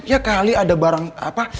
ya kali ada barang apa